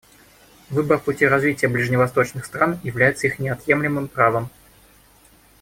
Выбор пути развития ближневосточных стран является их неотъемлемым правом.